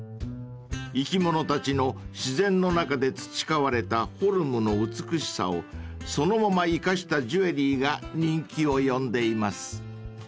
［生き物たちの自然の中で培われたフォルムの美しさをそのまま生かしたジュエリーが人気を呼んでいます］